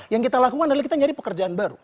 yang kita lakukan adalah kita nyari pekerjaan baru